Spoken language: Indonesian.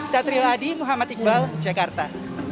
satri ladi muhammad iqbal jakarta